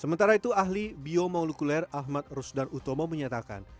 sementara itu ahli biomolekuler ahmad rusdan utomo menyatakan